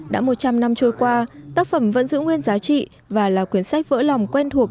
đã một trăm linh năm trôi qua tác phẩm vẫn giữ nguyên giá trị và là cuốn sách vỡ lòng quen thuộc